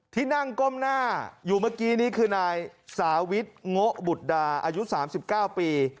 ที่นั่งก้มหน้าอยู่เมื่อกี้นี้คือนายสาวิทโงะบุตรดาอายุ๓๙ปี